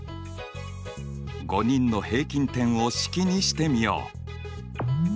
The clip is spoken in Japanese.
５人の平均点を式にしてみよう。